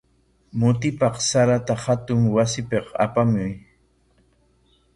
Mutipaq sarata hatun wasipik apamuy.